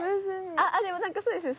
あっでもなんかそうですね。